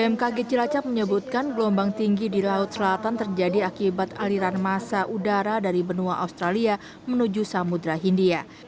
bmkg cilacap menyebutkan gelombang tinggi di laut selatan terjadi akibat aliran masa udara dari benua australia menuju samudera hindia